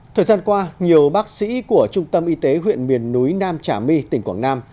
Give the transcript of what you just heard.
thời gian qua nhiều bác sĩ của trung tâm y tế huyện miền núi nam trà my tỉnh quảng nam